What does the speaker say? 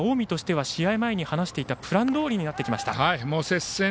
ですから、近江としては試合前に話していたプランどおりになってきました。